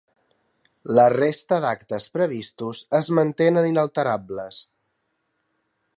La resta d’actes previstos es mantenen inalterables.